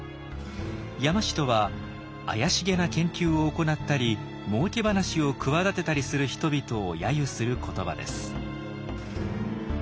山師とは怪しげな研究を行ったりもうけ話を企てたりする人々を揶揄する言葉です。